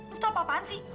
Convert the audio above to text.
lu tau apaan sih